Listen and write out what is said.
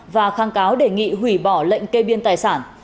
và kháng cáo đề nghị hủy bỏ lệnh kê biên tài sản